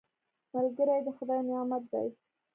ملګری د خدای نعمت دی